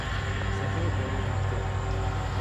سفر پایان هفته